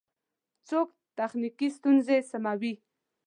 څوک تخنیکی ستونزی سموي؟